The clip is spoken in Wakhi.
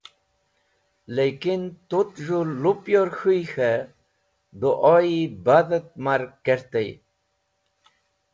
Lekin, tu’t z̃hũ lupyor k̃hũy k̃he du’o-e badhet ma’r kertey.